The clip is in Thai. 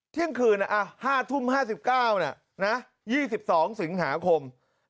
เที่ยงคืน๕ทุ่ม๕๙๒๒สิงหาคม